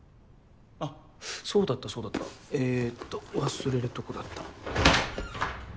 あっそうだったそうだったえっと忘れるとこだった。